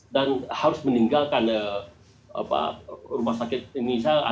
dan harus meninggalkan rumah sakit indonesia